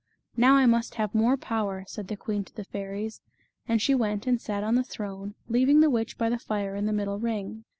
" Now I must have more power," said the queen to the fairies, and she went and sat on the throne, leaving the witch by the fire in the middle ring.